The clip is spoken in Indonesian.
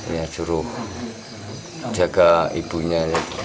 ya curuh jaga ibunya